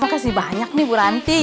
makasih banyak nih bu lanti